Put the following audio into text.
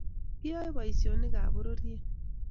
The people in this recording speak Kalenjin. Kiyae boishonik ab pororiet